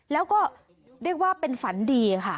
แล้วก็เรียกว่าเป็นฝันดีค่ะ